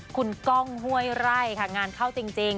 คุณก้องห้วยไร่ค่ะงานเข้าจริง